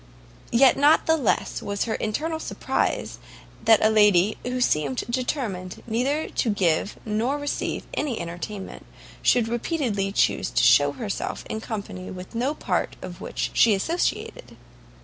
Yet not the less was her internal surprise that a lady who seemed determined neither to give nor receive any entertainment, should repeatedly chuse to show herself in a company with no part of which she associated.